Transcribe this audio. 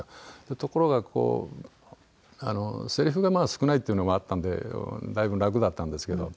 ところがせりふがまだ少ないっていうのもあったんでだいぶ楽だったんですけど。